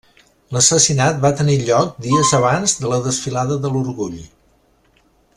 L'assassinat va tenir lloc dies abans de la desfilada de l'orgull.